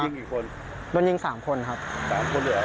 กี่คนโดนยิงสามคนครับสามคนเหลือ